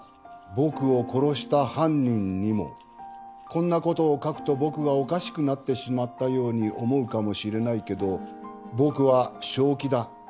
「こんなことを書くと僕がおかしくなってしまったように思うかもしれないけど僕は正気だ」